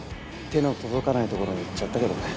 手の届かないところにいっちゃったけどね。